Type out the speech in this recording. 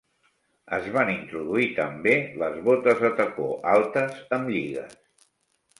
Es van introduir també les botes de tacó altes amb lligues.